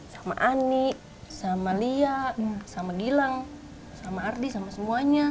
sama ani sama lia sama gilang sama ardi sama semuanya